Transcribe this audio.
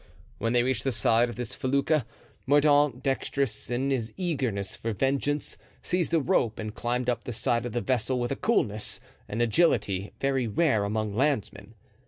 When they reached the side of this felucca, Mordaunt, dexterous in his eagerness for vengeance, seized a rope and climbed up the side of the vessel with a coolness and agility very rare among landsmen.